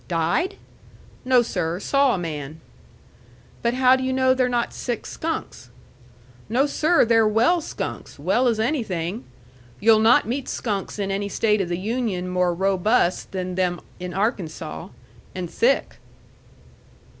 "Died?" "No, sir. Saw a man." "But how do you know they're not sick skunks?" "No, sir! They're well skunks. Well as anything. You'll not meet skunks in any state of the Union more robust than them in Arkansaw. And thick."